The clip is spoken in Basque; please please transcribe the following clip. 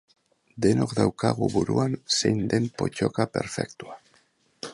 Denok daukagu buruan zein den pottoka perfektua.